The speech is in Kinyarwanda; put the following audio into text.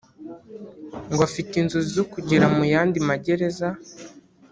ngo afite inzozi zo kugera mu yandi magereza